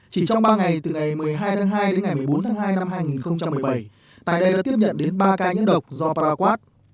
chỉ trong ba ngày từ ngày một mươi hai tháng hai đến ngày bốn tháng hai năm hai nghìn một mươi bảy tại đây đã tiếp nhận đến ba ca nhiễm độc do paraguad